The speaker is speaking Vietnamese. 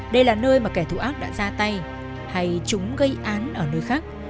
đây là nơi mà kẻ thù ác đã ra tay hay chúng gây án ở nơi khác